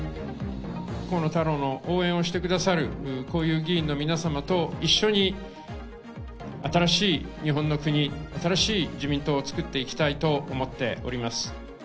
河野太郎の応援をしてくださるこういう議員の皆様と一緒に、新しい日本の国、新しい自民党を作っていきたいと思っております。